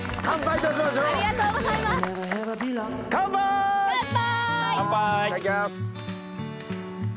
いただきます。